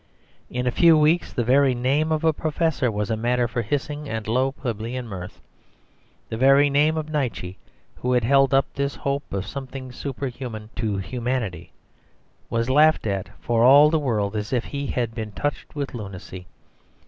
In a few weeks the very name of a professor was a matter for hissing and low plebeian mirth. The very name of Nietzsche, who had held up this hope of something superhuman to humanity, was laughed at for all the world as if he had been touched with lunacy.